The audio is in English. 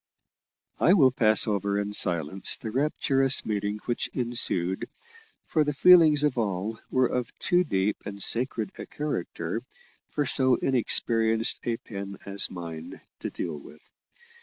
I will pass over in silence the rapturous meeting which ensued, for the feelings of all were of too deep and sacred a character for so inexperienced a pen as mine to deal with.